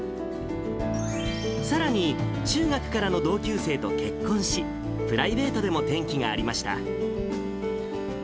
さらに、中学からの同級生と結婚し、プライベートでも転機がありました。